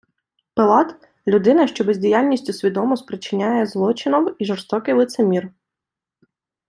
Пилат — людина, що бездіяльністю свідомо сприяє злочинов і жорстокий лицемір